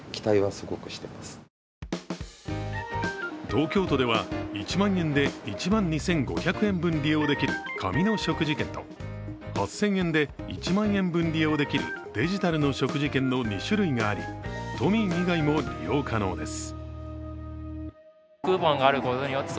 東京都では１万円で１万２５００円分利用できる紙の食事券と８０００円で１万円分利用できるデジタルの食事券の２種類があり都民以外も利用可能です。